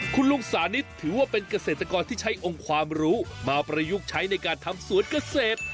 คุณลุงสานิทถือว่าเป็นเกษตรกรที่ใช้องค์ความรู้มาประยุกต์ใช้ในการทำสวนเกษตร